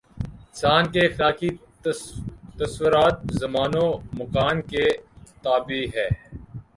انسان کے اخلاقی تصورات زمان و مکان کے تابع ہیں۔